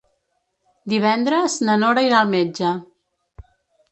Divendres na Nora irà al metge.